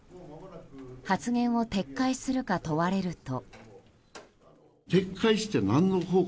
発言を撤回するか問われると。